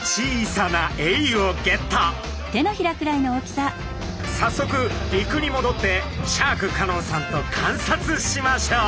さっそく陸にもどってシャーク香音さんと観察しましょう。